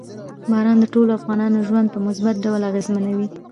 باران د ټولو افغانانو ژوند په مثبت ډول اغېزمنوي.